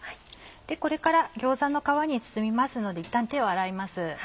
これから餃子の皮に包みますのでいったん手を洗います。